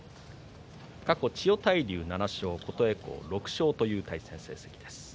過去千代大龍は７勝琴恵光が６勝という成績です。